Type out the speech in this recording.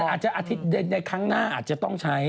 อาจจะอาทิตย์ในครั้งหน้าอาจจะต้องใช้